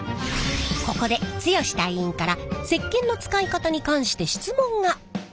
ここで剛隊員から石けんの使い方に関して質問が。